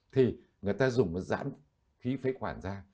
thì người ta dùng cái dán khí phế khoản ra